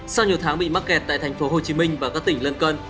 sau nhiều tháng bị mắc kẹt tại thành phố hồ chí minh và các tỉnh lân cân